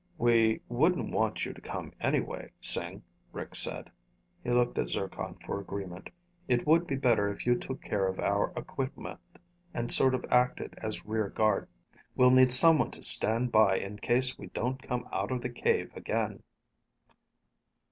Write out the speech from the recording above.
"We wouldn't want you to come, anyway, Sing," Rick said. He looked at Zircon for agreement. "It would be better if you took care of our equipment and sort of acted as rear guard. We'll need someone to stand by in case we don't come out of the cave again."